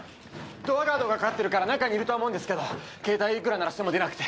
ドアガードがかかってるから中にいるとは思うんですけど携帯いくら鳴らしても出なくて。